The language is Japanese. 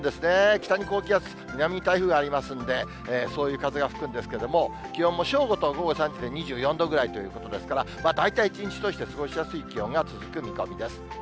北に高気圧、南に台風がありますんで、そういう風が吹くんですけれども、気温も正午と午後３時ぐらいで２４度ぐらいということですから、大体一日として過ごしやすい気温が続く見込みです。